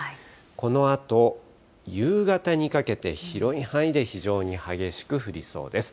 このあと、夕方にかけて広い範囲で非常に激しく降りそうです。